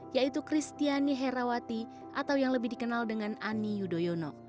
yaitu kristiani herawati atau yang lebih dikenal dengan ani yudhoyono